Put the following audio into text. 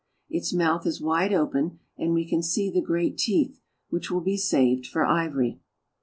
Its mouth is wide open and we can see the great teeth, which will be saved for ivory.